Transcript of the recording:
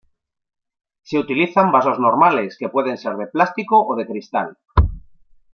Se utilizan vasos normales, que pueden ser de plástico o de cristal.